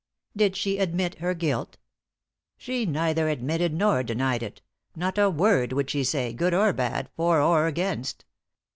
"Did she admit her guilt? "She neither admitted nor denied it. Not a word would she say, good or bad, for or against.